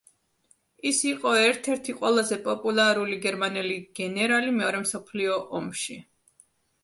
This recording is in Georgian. ის იყო ერთ-ერთი ყველაზე პოპულარული გერმანელი გენერალი მეორე მსოფლიო ომში.